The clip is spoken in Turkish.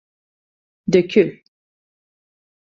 Dökül.